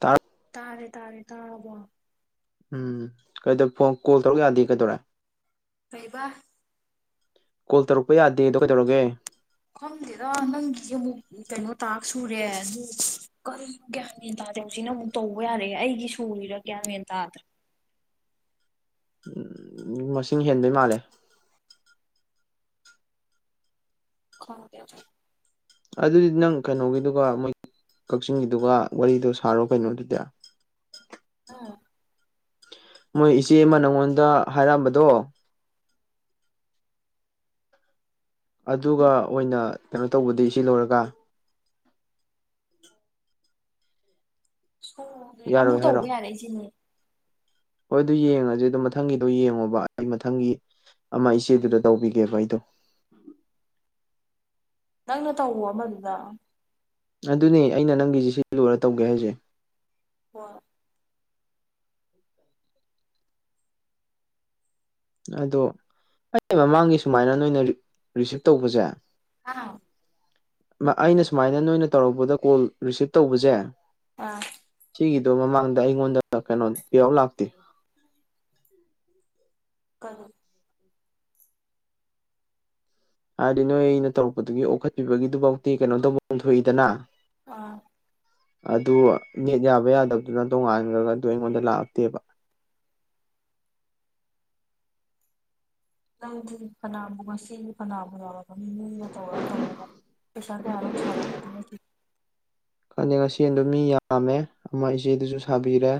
ꯇ [inaudible] ꯇꯔꯦ ꯇꯥꯔꯦ ꯇꯥꯔꯕꯣ ꯎꯝ ꯀꯩꯗꯧ ꯐꯣꯟ ꯀꯣꯜ ꯇꯧꯔꯛ ꯌꯥꯗꯦ ꯀꯩꯗꯧꯔꯦ ꯀꯩꯕ ꯀꯣꯜ ꯇꯧꯔꯛꯄ ꯌꯥꯗꯦꯗꯣ ꯀꯩꯗꯧꯔꯒꯦ ꯈꯪꯗꯦꯗ ꯅꯪꯒꯤꯗꯤ ꯑꯃꯨꯛ ꯀꯩꯅꯣ ꯇꯥꯛꯁ ꯁꯨꯔꯦ ꯑꯗꯨ ꯀꯔꯤ ꯒ꯭ꯌꯥ ꯃꯦꯟ ꯇꯥꯗꯦ ꯍꯧꯖꯤꯛꯅ ꯑꯃꯨꯛ ꯇꯧꯕ ꯌꯥꯔꯛꯑꯦ ꯑꯩꯒꯤ ꯁꯨꯔꯤꯔꯥ ꯒ꯭ꯌꯥꯃꯦꯟ ꯇꯥꯗ꯭ꯔꯦ ꯃꯁꯤꯡ ꯍꯦꯟꯕꯩ ꯃꯥꯜꯂꯦ ꯈꯪꯗꯦ ꯑꯗꯨꯗꯤ ꯑꯗꯨꯗꯤ ꯅꯪ ꯀꯩꯅꯣꯒꯤꯗꯨꯒ ꯃꯣꯏ ꯀꯛꯆꯤꯡꯒꯤꯗꯨꯒ ꯋꯥꯔꯤꯗꯨ ꯁꯥꯔꯣ ꯀꯩꯅꯣꯗꯨꯗꯤ ꯎꯝ ꯃꯣꯏ ꯏꯆꯦ ꯑꯃ ꯅꯪꯉꯣꯟꯗ ꯍꯥꯏꯔꯑꯝꯕꯗꯣ ꯑꯗꯨꯒ ꯑꯣꯏꯅ ꯀꯩꯅꯣ ꯇꯧꯕꯗꯤ ꯁꯤ ꯂꯣꯏꯔꯒ ꯁ ꯑꯃꯨꯛ ꯌꯥꯔꯣꯏ ꯍꯥꯏꯔꯣ ꯇꯧꯕ ꯌꯥꯔꯛꯢꯁꯤꯅꯤ ꯍꯣꯏ ꯑꯗꯨ ꯌꯦꯡꯉꯖꯦ ꯑꯗꯨꯝ ꯃꯊꯪꯒꯤꯗꯣ ꯌꯦꯡꯉꯣꯕ ꯑꯩ ꯃꯊꯪꯒꯤ ꯑꯃ ꯏꯆꯦꯗꯨꯗ ꯇꯧꯕꯤꯒꯦꯕ ꯑꯩꯗꯣ ꯅꯪꯅ ꯇꯧꯋꯣ ꯑꯃꯗꯨꯗ ꯑꯗꯨꯅꯦ ꯑꯩꯅ ꯅꯪꯒꯤꯁꯦ ꯁꯤ ꯂꯣꯏꯔ ꯇꯧꯒꯦ ꯍꯥꯏꯁꯦ ꯍꯣꯢ [unintelligible] ꯑꯗꯣ ꯑꯩ ꯃꯃꯥꯡꯒꯤ ꯁꯨꯃꯥꯏꯅ ꯅꯣꯏꯅ ꯔꯤꯁꯤꯞ ꯇꯧꯕꯁꯦ ꯍꯥ ꯑꯩꯅ ꯁꯨꯃꯥꯏꯅ ꯅꯣꯏꯅ ꯇꯧꯔꯛꯄꯗ ꯀꯣꯜ ꯔꯤꯁꯤꯞ ꯇꯧꯕꯁꯦ ꯑꯥ ꯁꯤꯒꯤꯗꯣ ꯃꯃꯥꯡꯗ ꯑꯩꯉꯣꯟꯗ ꯀꯩꯅꯣ ꯄꯌꯥꯎ ꯂꯥꯛꯇꯦ ꯀꯩꯅꯣ ꯍꯥꯏꯗꯤ ꯅꯣꯏ ꯑꯩꯅ ꯇꯧꯔꯛꯄꯗꯨꯒꯤ ꯑꯣꯈꯠꯄꯤꯕꯒꯤꯗꯨꯐꯥꯎꯇꯤ ꯀꯩꯅꯣ ꯇꯧꯐꯝ ꯊꯣꯛꯏꯗꯅ ꯑꯥ ꯑꯗꯨ ꯅꯦꯠ ꯌꯥꯕ ꯌꯥꯗꯕꯗꯨꯅ ꯇꯣꯉꯥꯟꯈ꯭ꯔꯒ ꯑꯗꯨ ꯑꯩꯉꯣꯟꯗ ꯂꯥꯛꯇꯦꯕ ꯅꯪꯗꯤ ꯐꯅꯥꯕꯨ ꯉꯁꯤꯗꯤ ꯐꯅꯥꯕꯨ ꯌꯥꯎꯔꯦ ꯇꯧꯔ ꯇꯧꯔ ꯄꯩꯁꯥ ꯀ ꯑꯔ ꯐꯔ [inaudible] ꯈꯪꯗꯦ ꯉꯁꯤꯗꯣ ꯃꯤ ꯌꯥꯝꯃꯦ ꯑꯃ ꯏꯆꯦꯗꯨꯁꯨ ꯁꯥꯕꯤꯔꯦ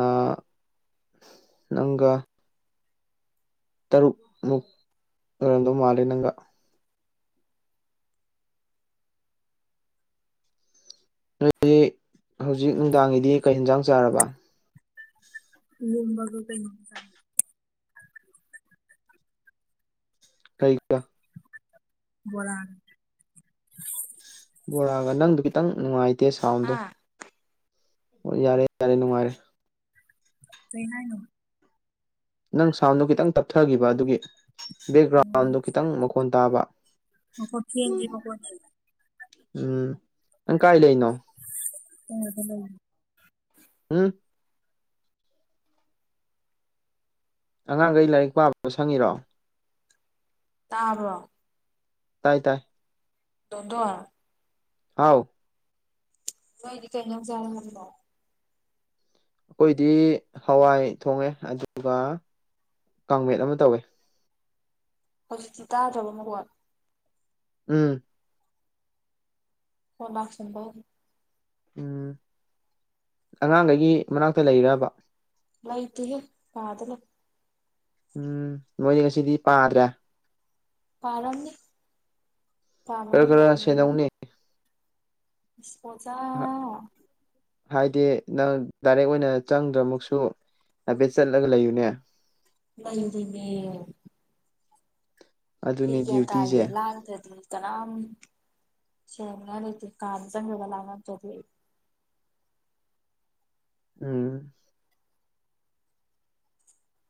ꯑꯥ ꯅꯪꯒ ꯇꯔꯨꯛꯃꯨꯛ ꯑꯣꯏꯔꯝꯗꯧ ꯃꯥꯂꯦ ꯅꯪꯒ ꯅ ꯍꯧꯖꯤꯛ ꯅꯨꯡꯗꯥꯡꯒꯤꯗꯤ ꯀꯩ ꯌꯦꯟꯖꯥꯡ ꯆꯥꯔꯕ ꯢꯂꯣꯝꯕꯒ ꯀꯩꯅꯣꯝ ꯆꯥꯢ ꯀꯩ ꯕꯣꯔꯥ ꯕꯣꯔꯥꯒ ꯅꯪꯒꯤꯗꯣ ꯈꯤꯇꯪ ꯅꯨꯡꯉꯥꯏꯇꯦ ꯁꯥꯎꯟꯗꯣ ꯍꯥ ꯑꯣ ꯌꯥꯔꯦ ꯌꯥꯔꯦ ꯅꯨꯡꯉꯥꯏꯔꯦ ꯀꯩ ꯍꯥꯏꯅꯣ ꯅꯪ ꯁꯥꯎꯟꯗꯨ ꯈꯤꯇꯪ ꯇꯞꯊꯈꯤꯕ ꯑꯗꯨꯒꯤ ꯕꯦꯛꯒ꯭ꯔꯥꯎꯟꯗꯨ ꯈꯤꯇꯪ ꯃꯈꯣꯟ ꯇꯥꯕ ꯃꯈꯣꯟꯅꯦ ꯎꯝ ꯅꯪ ꯀꯥꯏ ꯂꯩꯅꯣ ꯑꯗꯨ ꯂꯩ ꯎꯝ ꯑꯉꯥꯡꯈꯩ ꯂꯥꯏꯔꯤꯛ ꯄꯥꯕ ꯁꯪꯉꯤꯔꯣ ꯇꯥꯕꯔꯣ ꯇꯥꯏ ꯇꯥꯏ ꯗꯣꯟꯗꯣꯟ ꯍꯥꯎ ꯅꯣꯏꯗꯤ ꯀꯩ ꯏꯟꯁꯥꯡ ꯆꯥ ꯍꯥꯏꯕꯅꯣ ꯑꯩꯈꯣꯏꯗꯤ ꯍꯋꯥꯏ ꯊꯣꯡꯉꯦ ꯑꯗꯨꯒ ꯀꯥꯡꯃꯦꯠ ꯑꯃ ꯇꯧꯋꯦ ꯍꯧꯖꯤꯛꯇꯤ ꯇꯥꯗ꯭ꯔꯕ ꯃꯈꯣꯟ ꯎꯝ ꯐꯣꯟ ꯂꯥꯛꯁꯟꯕꯩ ꯎꯝ ꯑꯉꯥꯡꯈꯩꯒꯤ ꯃꯅꯥꯛꯇ ꯂꯩꯔꯕ ꯂꯩꯇꯦꯍꯦ ꯀꯥꯗ ꯂꯩ ꯎꯝ ꯃꯣꯏꯗꯤ ꯉꯁꯤꯗꯤ ꯄꯥꯗ꯭ꯔꯦ ꯄꯥꯔꯝꯅꯤ ꯈꯔ ꯈꯔ ꯁꯦꯟꯅꯧꯅꯦ ꯏꯁ ꯐꯣꯟ ꯍꯥ ꯍꯥꯏꯗꯤ ꯅꯪ ꯗꯥꯏꯔꯦꯛ ꯑꯣꯏꯅ ꯆꯪꯗ꯭ꯔꯃꯛꯁꯨ ꯍꯥꯏꯐꯦꯠ ꯆꯠꯂꯒ ꯂꯩꯌꯨꯅꯦ ꯂꯩꯔꯤꯅꯦ ꯑꯗꯨꯅꯤ ꯉꯁꯤꯗꯤ ꯒꯌ꯭ꯥꯟ ꯗ꯭ꯌꯨꯇꯤꯁꯦ ꯇꯥꯢꯌꯦ ꯂꯥꯡꯗꯔ꯭ ꯗꯤ ꯀꯅꯥꯝ ꯁꯦꯅꯅꯤꯡꯉꯥꯏ ꯂꯩꯇꯦ ꯀꯥꯗꯥ ꯆꯪꯉꯥ ꯂꯥꯡꯉꯛꯇ ꯎꯝ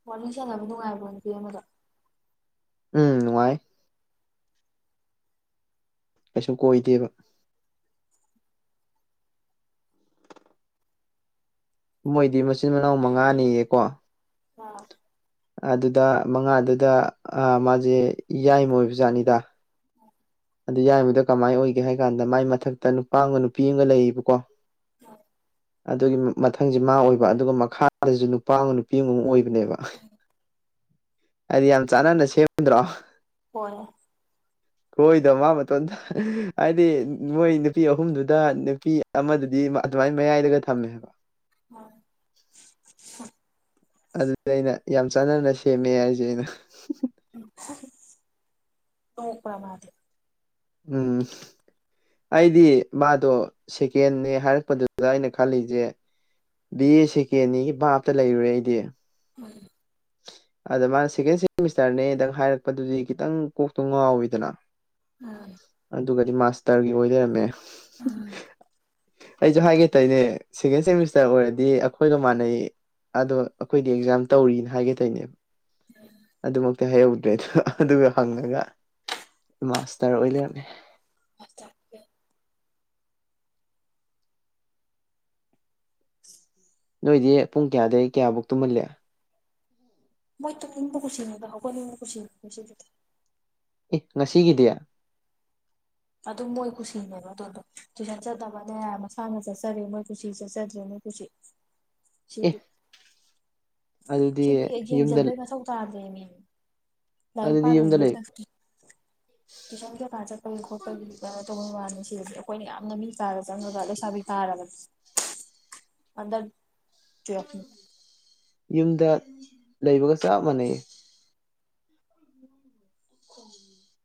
ꯋꯥꯔꯤ ꯁꯥꯟꯅꯕ ꯅꯨꯡꯉꯥꯏꯕ꯭ꯔꯣ ꯅꯨꯄꯤ ꯑꯃꯗꯣ ꯎꯝ ꯅꯨꯡꯉꯥꯏ ꯀꯩꯁꯨ ꯀꯣꯏꯗꯦꯕ ꯃꯣꯏꯗꯤ ꯃꯆꯤꯟ ꯃꯅꯥꯎ ꯃꯉꯥꯅꯤꯌꯦꯀꯣ ꯑꯥ ꯑꯗꯨꯗ ꯃꯉꯥꯗꯨꯗ ꯃꯥꯁꯦ ꯌꯥꯏꯃ ꯑꯣꯏꯕ ꯖꯥꯠꯅꯤꯗ ꯑꯗꯨ ꯌꯥꯏꯃꯗꯣ ꯀꯃꯥꯏꯅ ꯑꯣꯏꯒꯦ ꯍꯥꯏ ꯀꯥꯟꯗ ꯃꯥꯏ ꯃꯊꯛꯇ ꯅꯨꯄꯥ ꯑꯃꯒ ꯅꯨꯄꯤ ꯑꯃꯒ ꯂꯩꯌꯦꯕꯀꯣ ꯎꯝ ꯑꯗꯨꯒꯤ ꯃꯊꯪꯁꯦ ꯃꯥ ꯑꯣꯏꯕ ꯑꯗꯨꯒ ꯃꯈꯥꯗꯁꯨ ꯅꯨꯄꯥ ꯑꯃꯒꯥ ꯅꯨꯄꯤ ꯑꯃꯒ ꯑꯣꯏꯕꯅꯦꯕ ꯍꯥꯏꯗꯤ ꯌꯥꯝ ꯆꯥꯟꯅꯅ ꯁꯦꯝꯗ꯭ꯔꯣ ꯍꯣꯏ ꯃꯣꯏꯗ ꯃꯥ ꯃꯇꯣꯝꯇ ꯍꯥꯏꯗꯤ ꯃꯣꯏ ꯅꯨꯄꯤ ꯑꯍꯨꯝꯗꯨꯗ ꯅꯨꯄꯤ ꯑꯃꯗꯨꯗꯤ ꯑꯗꯨꯃꯥꯏꯅ ꯃꯌꯥꯏꯗꯒ ꯊꯝꯃꯦ ꯍꯥꯏꯕ ꯍꯣꯏ ꯑꯗꯨꯅꯦ ꯑꯩꯅ ꯌꯥꯝ ꯆꯥꯟꯅꯅ ꯁꯦꯝꯃꯦ ꯍꯥꯏꯁꯦ ꯑꯩꯅ ꯍꯣꯏ ꯃꯥꯗꯤ ꯎꯝ ꯑꯩꯗꯤ ꯃꯥꯗꯣ ꯁꯦꯀꯦꯟꯅꯦ ꯍꯥꯏꯔꯛꯄꯗꯨꯗ ꯑꯩꯅ ꯈꯜꯂꯤꯁꯦ ꯕꯤ ꯑꯦ ꯁꯦꯀꯦꯟꯅꯤꯒꯤ ꯚꯥꯞꯇ ꯂꯩꯔꯨꯔꯦ ꯑꯩꯗꯤ ꯎꯝ ꯑꯗ ꯃꯥꯅ ꯁꯦꯀꯦꯟ ꯁꯦꯃꯤꯁꯇꯔꯅꯦꯗꯪ ꯍꯥꯏꯔꯛꯄꯗꯨꯗꯤ ꯈꯤꯇꯪ ꯀꯣꯛꯇꯣ ꯉꯥꯎꯋꯤꯗꯅ ꯎ ꯑꯗꯨꯒꯗꯤ ꯃꯥꯁꯇꯔꯒꯤ ꯑꯣꯏ ꯂꯩꯔꯝꯃꯦ ꯎꯝ ꯑꯩꯁꯨ ꯍꯥꯏꯒꯦ ꯇꯔꯤꯅꯦ ꯁꯦꯀꯦꯟ ꯁꯦꯃꯤꯁꯇꯔ ꯑꯣꯏꯔꯗꯤ ꯑꯩꯈꯣꯏꯒ ꯃꯥꯟꯅꯩ ꯑꯗꯣ ꯑꯩꯈꯣꯏꯗꯤ ꯑꯦꯛꯖꯥꯝ ꯇꯧꯔꯤꯅ ꯍꯥꯏꯒꯗꯣꯏꯅꯦꯕ ꯑꯗꯨꯃꯛ ꯀꯩ ꯍꯥꯏꯩꯍꯧꯗ꯭ꯔꯦꯗꯣ ꯑꯗꯨꯒ ꯍꯪꯉꯒ ꯃꯥꯁꯇꯔ ꯑꯣꯏ ꯂꯩꯔꯝꯃꯦ ꯑ [inaudible] ꯅꯣꯏꯗꯤ ꯄꯨꯡ ꯀꯌꯥꯗꯒꯤ ꯀꯌꯥꯕꯨꯛ ꯇꯨꯝꯍꯜꯂꯦ ꯃꯣꯏ ꯇꯅꯤꯡꯕꯨ ꯀꯁꯤꯅꯦꯕ ꯍꯧꯒꯣꯏꯅꯤꯡꯕꯕꯨ ꯈꯨꯁꯤꯅꯦ ꯁꯤꯗ ꯏ ꯉꯁꯤꯒꯗꯌꯥ ꯑꯗꯨꯝ ꯃꯣꯏ ꯀꯨꯁꯤꯅꯦꯕ ꯑꯗꯨꯗꯣ ꯇꯨꯏꯁꯟ ꯆꯠꯇꯕꯅꯦ ꯃꯁꯥꯅ ꯆꯠꯆꯔꯦ ꯃꯣꯏ ꯀꯨꯁꯤ ꯆꯠꯆꯗ꯭ꯔꯦ ꯃꯣꯏ ꯀꯨꯁꯤ [inaudible] ꯁꯤꯗꯤ ꯑꯗꯨꯗꯤ ꯁꯤꯗꯤ ꯌꯨꯝꯗ ꯌꯦꯡꯖꯟꯕꯩ ꯃꯊꯧ ꯇꯥꯗ꯭ꯔꯦꯃꯦ ꯂꯥꯏꯔꯤꯛ ꯑꯗꯨꯗꯤ ꯄꯥꯗꯦ ꯌꯨꯝꯗ ꯂꯩ [unintelligible] ꯇ꯭ꯋꯤꯁꯟ ꯀꯩꯀꯥ ꯆꯠꯄꯒꯤ ꯈꯣꯠꯄꯒꯤ ꯀꯩꯅꯣ ꯇꯧꯕ ꯋꯥꯅꯤ ꯁꯤꯗꯗꯤ ꯑꯩꯈꯣꯏꯅ ꯌꯥꯝꯅ ꯃꯤ ꯀꯥꯔ ꯆꯪꯉꯒ꯭ꯔꯒ ꯂꯩꯁꯥꯕꯤ ꯐꯥꯔꯕꯅꯤ [inaudible] ꯑꯗꯠ ꯇ꯭ꯋꯦꯜꯐ ꯌꯨꯝꯗ ꯂꯩꯕꯒ ꯆꯞ ꯃꯥꯟꯅꯩ [inaudible]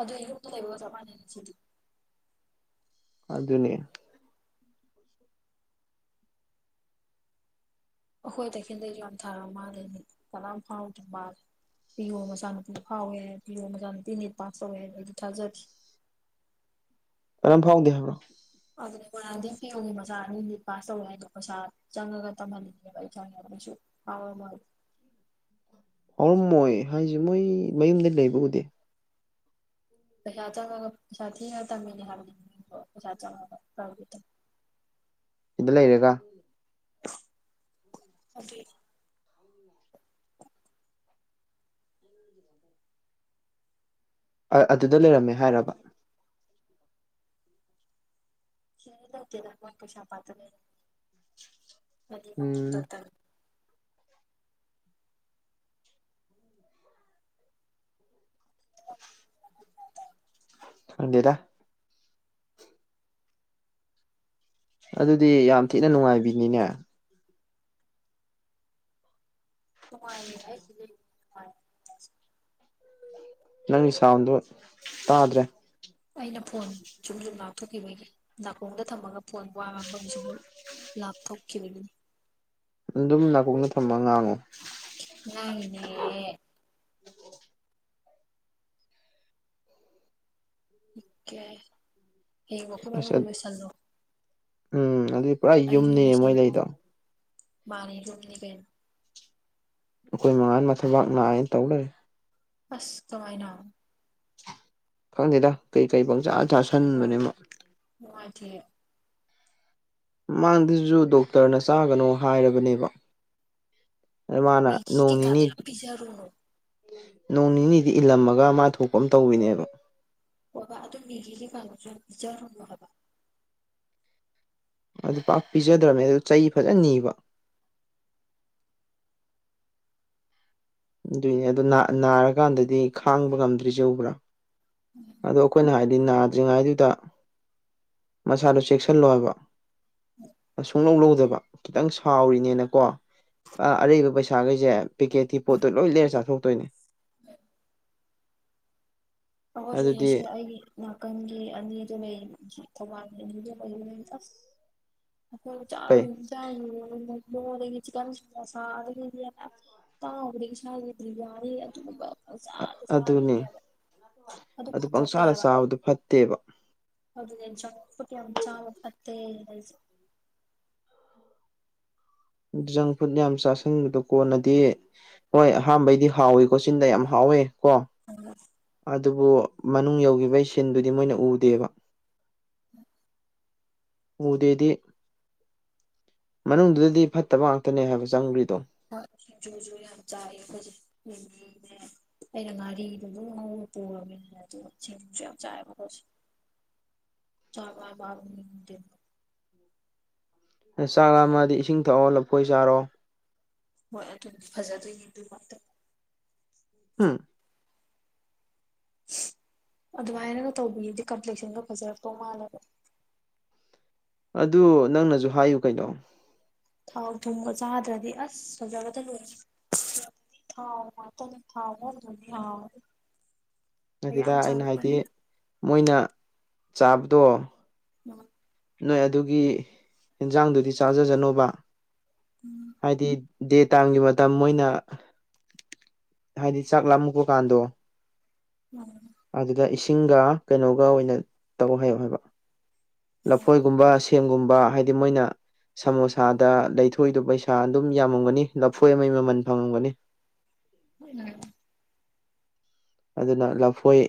ꯑꯗꯨ ꯌꯨꯝꯗ ꯂꯩꯕꯒ ꯆꯞ ꯃꯥꯟꯅꯩꯅꯦ ꯁꯤꯗꯤ ꯑꯗꯨꯅꯦ ꯑꯩꯈꯣꯏ ꯇꯈꯦꯟꯂꯩꯗꯣ ꯌꯥꯝ ꯊꯥꯔ ꯃꯥꯜꯂꯦꯅꯦ ꯀꯅꯥꯝ ꯐꯥꯎꯗ꯭ꯔ ꯃꯥꯂꯦ ꯄꯤꯌꯣ ꯃꯆꯥꯅꯨꯄꯨꯡ ꯐꯥꯎꯋꯦ ꯍꯥꯏ ꯄꯤꯌꯣ ꯃꯆꯥꯅꯨꯄꯤ ꯅꯤꯠ ꯄꯥꯁ ꯇꯧꯋꯦ ꯍꯥꯏꯗꯣ ꯑꯩꯗꯤ ꯊꯥꯖꯗꯦ ꯀꯅꯥꯝ ꯐꯥꯎꯗꯦ ꯍꯥꯏꯕ꯭ꯔꯣ ꯑꯗꯨꯅꯦ ꯃꯣꯏꯔꯥꯡꯊꯦꯝ ꯄꯤꯌꯣꯒꯤ ꯃꯆꯥ [unintelligible] ꯅꯤꯠ ꯄꯥꯁ ꯇꯧꯋꯦ ꯍꯥꯏꯗꯣ ꯄꯩꯁꯥ ꯆꯪꯉꯒ ꯇꯝꯍꯟꯅꯤꯡꯉꯦꯕ ꯑꯩ ꯈꯪꯉꯦ ꯑꯗꯨꯣꯏꯁꯨꯨ ꯍꯥꯎꯔ [unintelligible] ꯍꯧꯔꯝꯃꯣꯏ ꯍꯥꯏꯁꯦ ꯃꯣꯏ ꯃꯌꯨꯝꯗ ꯂꯩꯕ ꯎꯗꯦ ꯄꯩꯁꯥ ꯆꯪꯉꯒ ꯄꯩꯁꯥ ꯊꯤꯔ ꯇꯝꯃꯤꯅꯦ ꯍꯥꯏꯕꯅꯦ ꯄꯩꯁꯥ ꯆꯪꯉꯒ ꯄ꯭ꯔꯥꯏꯕꯦꯠꯇ ꯁꯤꯗ ꯂꯩꯔꯒ [unintelligible] [inaudible] ꯑ ꯑꯗꯨꯗ ꯂꯩꯔꯝꯃꯦ ꯍꯥꯏꯔꯕ ꯁꯤꯗꯗꯤ ꯂꯩꯇꯦꯗ ꯃꯣꯏ ꯀꯩꯁꯥꯝꯄꯥꯠꯇ ꯂꯩꯕꯅꯦ ꯃꯣꯏꯗꯤ ꯃꯕꯨꯛ ꯎꯝ ꯇꯔ ꯇꯔ [unintelligible] ꯈꯪꯗꯦꯗ ꯑꯗꯨꯗꯤ ꯌꯥꯝ ꯊꯤꯅ ꯅꯨꯡꯉꯥꯏꯕꯤꯅꯤꯅꯦ ꯅꯨꯡꯉꯥꯏ ꯍꯥꯏꯁꯤꯗꯤ ꯅꯨꯡꯉꯥꯏ [unintelligible] ꯅꯪꯒꯤ ꯁꯥꯎꯟꯗꯣ ꯇꯥꯗ꯭ꯔꯦ ꯑꯩꯅ ꯐꯣꯟ ꯁꯨꯝ ꯁꯨꯝ ꯂꯥꯞꯊꯣꯛꯈꯤꯕꯩꯅꯦ ꯅꯥꯀꯣꯡꯗ ꯊꯝꯃꯒ ꯐꯣꯟ ꯋꯥ ꯉꯥꯡꯕ ꯃꯤ [unintelligible] ꯂꯥꯞꯊꯣꯛꯈꯤꯕꯒꯤꯅꯦ ꯑꯗꯨꯝ ꯅꯥꯀꯣꯡꯗ ꯊꯝꯃ ꯉꯥꯡꯉꯣ ꯉꯥꯡꯉꯤꯅꯦ [unintelligible] ꯍꯌꯦꯡꯕꯨꯛꯀꯤ ꯃꯅꯨꯡꯗ ꯑꯁ ꯂꯣꯏꯁꯟꯂꯣ ꯎꯝ ꯑꯗꯨꯗꯤ ꯄꯨꯔꯥ ꯌꯨꯝꯅꯤ ꯃꯣꯏ ꯂꯩꯗꯣ ꯃꯥꯅꯦ ꯌꯨꯝꯅꯤ ꯀꯩꯅꯣ ꯑꯩꯈꯣꯏ ꯃꯥ ꯍꯣꯏ ꯃꯊꯕꯥꯛ ꯅꯥꯏꯅ ꯇꯧ ꯂꯩꯔꯦ ꯑꯁ ꯀꯃꯥꯏꯅ ꯈꯪꯗꯦꯗ ꯀꯩꯀꯩ ꯄꯪꯆꯥꯥ ꯆꯥꯥꯁꯟꯕꯅꯦ ꯃꯥ ꯅꯨꯡꯉꯥꯏꯇꯦꯍꯦ ꯃꯥꯡꯗꯖꯨ ꯗꯣꯛꯇꯔꯅ ꯆꯥꯒꯅꯣ ꯍꯥꯏꯔꯕꯅꯦꯕ ꯑ ꯃꯥꯅ ꯃꯦꯒꯤ ꯀꯩꯀꯥꯗꯣ ꯅꯣꯡꯅꯤꯅꯤ ꯌꯥꯝ ꯄꯤꯖꯔꯨꯅꯨ ꯅꯣꯡ ꯅꯤꯅꯤꯗꯤ ꯏꯜꯂꯝꯃꯒ ꯃꯥ ꯊꯣꯛꯄ ꯑꯃ ꯇꯧꯕꯤꯅꯦꯕ ꯍꯣꯕ ꯑꯗꯨ ꯃꯦꯒꯤꯗꯤ ꯀꯥꯡꯍꯎꯁꯨ ꯌꯥꯝ ꯄꯤꯖꯔꯨꯅꯣ ꯍꯥꯏꯕ ꯑꯗꯨ ꯄꯥꯛ ꯄꯤꯖꯗ꯭ꯔꯕꯅꯦ ꯑꯗꯨ ꯆꯩ ꯐꯖꯅ ꯅꯤꯕ ꯑꯗꯨꯏꯅꯦ ꯑꯗꯣ ꯅꯥ ꯅꯥꯔꯀꯥꯟꯗꯗꯤ ꯈꯥꯡꯕ ꯉꯝꯗ꯭ꯔꯤꯖꯦ ꯎꯕ꯭ꯔꯥ ꯎꯝ ꯑꯗꯣ ꯑꯩꯈꯣꯏꯅ ꯍꯥꯏꯗꯤ ꯅꯥꯗ꯭ꯔꯤꯉꯩꯗꯨꯗ ꯃꯁꯥꯗꯣ ꯆꯦꯛꯁꯤꯜꯂꯣ ꯍꯥꯏꯕ ꯁꯨꯛꯂꯧ ꯂꯧꯗꯕ ꯈꯤꯇꯪ ꯁꯥꯎꯔꯤꯅꯦꯅꯀꯣ ꯑ ꯑꯔꯩꯕ ꯄꯩꯁꯥꯈꯩꯁꯦ ꯄꯦꯀꯦꯠꯀꯤ ꯄꯣꯠꯇꯣ ꯂꯣꯏ ꯂꯩꯔ ꯆꯥꯊꯣꯛꯇꯣꯏꯅꯦ ꯑꯗꯨꯗꯤ [unintelligible] ꯑꯩꯒꯤ ꯅꯥꯀꯟꯒꯤ ꯑꯅꯤꯗꯨ ꯂꯩ ꯊꯧꯕꯥꯜꯒꯤ ꯑꯅꯤ ꯂꯩ ꯑꯩꯣꯏ ꯆ ꯀꯩ ꯆ ꯃ ꯀ ꯇꯥꯎꯕꯗꯤ ꯏꯁꯥꯒꯤꯗ꯭ꯗꯤ ꯌꯥꯔꯤ ꯑꯗꯨꯒꯨꯝꯕꯖꯥꯗ ꯑꯗꯨꯅꯤ ꯆꯥꯅꯕ ꯑꯗꯨ ꯄꯪꯁꯥꯅ ꯆꯥꯕꯗꯨꯣ ꯐꯠꯇꯦꯕ ꯑꯗꯨꯅꯦ ꯆꯥꯝꯐꯨꯠ ꯌꯥꯝ ꯆꯥꯕꯥ ꯐꯠꯇꯦ ꯍꯥꯏꯖ ꯖꯪ ꯐꯨꯗ ꯌꯥꯝ ꯆꯥꯁꯤꯟꯕꯗꯣ ꯀꯣꯟꯅꯗꯤ ꯍꯣꯏ ꯑꯍꯝꯕꯩꯗꯤ ꯍꯥꯎꯋꯀꯣ ꯆꯤꯟꯗ ꯌꯥꯝ ꯍꯥꯎꯋꯦ ꯀꯣ [unintelligible] ꯑꯗꯨꯕꯨ ꯃꯅꯨꯡ ꯌꯧꯈꯤꯕꯒꯤ ꯁꯤꯟꯗꯨꯗꯤ ꯃꯣꯏꯅ ꯎꯗꯦꯕ [unintelligible] ꯎꯗꯦꯗꯤ ꯃꯅꯨꯡꯗꯨꯗꯗꯤ ꯐꯠꯇꯕ ꯉꯥꯛꯇꯅꯦ ꯍꯥꯏꯕ ꯆꯪꯗ꯭ꯔꯤꯗꯣ ꯍꯣꯏ ꯖꯨꯖꯨ ꯌꯥꯝ ꯆꯥꯌꯦ ꯈꯣꯏꯖ ꯑꯩꯅ ꯉꯥꯔꯤꯗꯨꯕꯨ ꯉ ꯄꯨꯔꯕꯃꯤꯅꯤꯅ ꯑꯗꯨ ꯁꯦꯡꯨꯁꯨ ꯌꯥꯝ ꯆꯥꯏꯕ ꯃꯈꯣꯠꯁꯦ [unintelligible] ꯆꯥꯛ ꯂꯝꯃꯗꯤ ꯏꯁꯤꯡ ꯊꯛꯑꯣ ꯂꯐꯣꯏ ꯆꯥꯔꯣ ꯍꯣꯏ ꯑꯗꯨꯗꯤ ꯐꯖꯗꯣꯏꯅꯤ ꯑꯗꯨꯒꯤ ꯉꯥꯛꯇ ꯍꯨꯝ ꯑꯗꯨꯃꯥꯏꯅꯒ ꯇꯧꯕꯤꯌꯦꯗꯤ ꯀꯝꯄ꯭ꯂꯦꯛꯁꯟꯗꯣ ꯐꯖꯔꯛꯄꯧ ꯃꯥꯜꯂꯒ ꯑꯗꯨ ꯅꯪꯅꯁꯨ ꯍꯥꯏꯌꯨ ꯀꯩꯅꯣ ꯊꯥꯎ ꯊꯨꯝꯒ ꯆꯥꯗ꯭ꯔꯗꯤ ꯑꯁ ꯁꯣꯖꯕꯇ ꯂꯣꯏꯔ ꯊꯥꯎ ꯃꯥꯇ ꯊꯥꯎꯃꯣꯅꯤ ꯑꯗꯨꯗ ꯑꯩꯅ ꯍꯥꯏꯗꯤ ꯃꯣꯏꯅ ꯆꯥꯕꯗꯣ ꯎꯝ ꯅꯣꯏ ꯑꯗꯨꯒꯤ ꯑꯦꯟꯖꯥꯡꯗꯨꯗꯤ ꯆꯥꯖꯖꯅꯣꯕ ꯍꯥꯏꯗꯤ ꯗꯦ ꯇꯥꯏꯝꯒꯤ ꯃꯇꯝ ꯃꯣꯏꯅ ꯍꯥꯏꯗꯤ ꯆꯥꯛ ꯂꯃꯛꯨꯄ ꯀꯥꯟꯗꯣ ꯎꯝ ꯑꯗꯨꯗ ꯏꯁꯤꯡꯒ ꯀꯩꯅꯣꯒ ꯑꯣꯏꯅ ꯇꯧ ꯍꯥꯏꯌꯣ ꯍꯥꯏꯕ ꯎꯝ ꯂꯐꯣꯏꯒꯨꯝꯕ ꯁꯦꯝꯦꯝꯒꯨꯝꯕ ꯍꯥꯏꯗꯤ ꯃꯣꯏꯅ ꯁꯃꯣꯁꯥꯗ ꯂꯩꯊꯣꯏꯗ ꯄꯩꯁꯥ ꯑꯗꯨꯝ ꯌꯥꯝꯃꯝꯒꯅꯤ ꯂꯐꯣꯏ ꯑꯃꯒꯤ ꯃꯃꯟ ꯐꯪꯉꯝꯒꯅꯤ [unintelligible] ꯑꯗꯨꯅ ꯂꯐꯣꯏ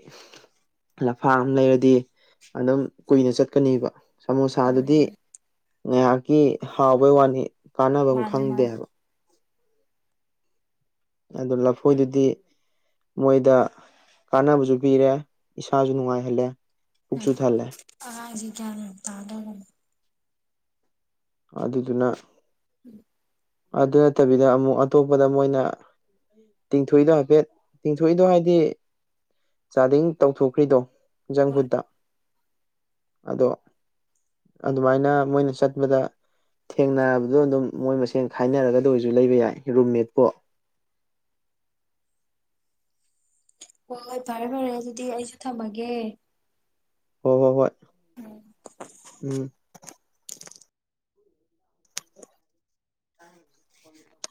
ꯂꯐꯥꯡ ꯑꯃ ꯂꯩꯔꯗꯤ ꯑꯗꯨꯝ ꯀꯨꯏꯅ ꯆꯠꯀꯅꯦꯕ ꯁꯃꯣꯁꯥꯗꯨꯗꯤ ꯎꯝ ꯉꯥꯏꯍꯥꯛꯀꯤ ꯍꯥꯎꯕꯩ ꯋꯥꯅꯤ ꯀꯥꯟꯅꯕ ꯑꯃ ꯃꯥꯅꯦ ꯃꯥꯅꯦ ꯈꯪꯗꯦꯕ ꯑꯗꯨ ꯂꯐꯣꯏꯗꯨꯗꯤ ꯃꯣꯏꯗ ꯀꯥꯟꯅꯕꯁꯨ ꯄꯤꯔꯦ ꯏꯁꯥꯁꯨ ꯅꯨꯡꯉꯥꯏꯍꯜꯂꯦ ꯄꯨꯛꯁꯨ ꯊꯜꯂꯦ ꯑ ꯆ ꯇꯗ ꯑꯗꯨꯗꯨꯅ ꯎꯝ ꯑꯗꯨ ꯅꯠꯇꯕꯤꯗ ꯑꯃꯨꯛ ꯑꯇꯣꯞꯄꯗ ꯃꯣꯏꯅ ꯇꯤꯡꯊꯣꯛꯏꯗꯣ ꯍꯥꯏꯐꯦꯠ ꯇꯤꯡꯊꯣꯛꯏꯗꯣ ꯍꯥꯏꯗꯤ ꯆꯥꯗꯤꯡ ꯇꯧꯊꯣꯛꯈ꯭ꯔꯤꯗꯣ ꯍꯣꯏ ꯖꯪꯐꯨꯠꯇ ꯑꯗꯣ ꯑꯗꯨꯃꯥꯏꯅ ꯃꯣꯏꯅ ꯆꯠꯄꯗ ꯊꯦꯡꯅꯔꯕꯗꯣ ꯑꯗꯨꯝ ꯃꯣꯏ ꯃꯁꯦꯟ ꯈꯥꯏꯅꯔꯒꯗ ꯑꯣꯏꯔꯁꯨ ꯂꯩꯕ ꯌꯥꯏ ꯔꯨꯝꯃꯦꯠꯄꯣ ꯍꯣꯏ ꯍꯣꯏ ꯐꯔꯦ ꯐꯔꯦ ꯑꯗꯨꯗꯤ ꯑꯩꯁꯨ ꯊꯝꯃꯒꯦ ꯍꯣꯏ ꯍꯣꯏ ꯍꯣꯏ ꯎꯝ ꯎꯝ [inaudible]